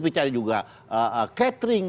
bicara juga catering